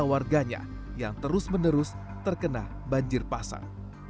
sama warganya yang terus menerus terkena banjir pasar